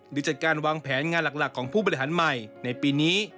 หรือจัดการวางแผนงานหลักของผู้บริหารใหม่ในปีนี้